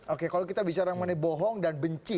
oke kalau kita bicara mengenai bohong dan benci